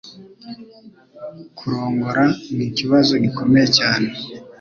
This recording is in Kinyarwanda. Kurongora nikibazo gikomeye cyane